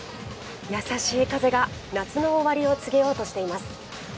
優しい風が夏の終わりを告げようとしています。